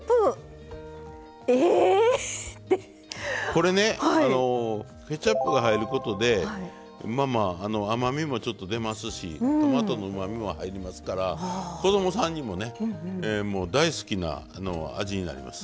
これねケチャップが入ることで甘みもちょっと出ますしトマトのうまみも入りますから子供さんにもねもう大好きな味になります。